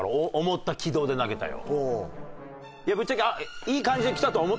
思った軌道で投げたよ。